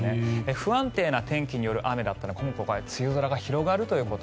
不安定な天気による雨で今回、梅雨空が広がるということ。